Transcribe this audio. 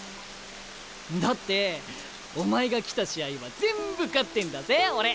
だってお前が来た試合は全部勝ってんだぜ俺。